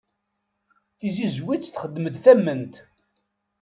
Tizizwit txeddem-d tament.